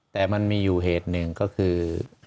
แต่มันมีอยู่เหตุหนึ่งก็คือ